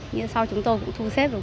nhưng sau chúng tôi cũng thu xếp được